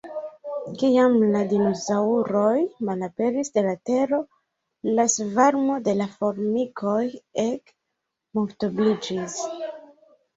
Kiam la dinosaŭroj malaperis de la tero, la svarmo de la formikoj ege multobliĝis.